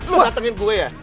lu rantengin gue ya